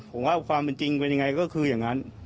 ผมว่าความเป็นจริงเป็นยังไงก็คืออย่างนั้น